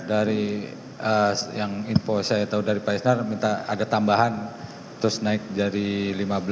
dari yang info saya tahu dari pak isnar ada tambahan terus naik dari lima belas ke dua puluh lima